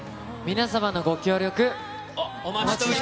皆さまのご協力。